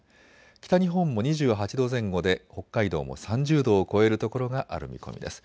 北日本も２８度前後で北海道も３０度を超えるところがある見込みです。